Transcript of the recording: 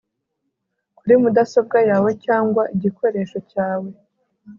kuri mudasobwa yawe cyangwa igikoresho cyawe